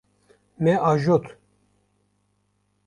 Me ajot.